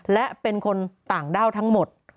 และเป็นคนต่างด้าวทั้งหมด